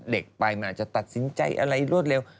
เด็กไปมันอาจจะตัดสินใจอะไรรวดเร็ว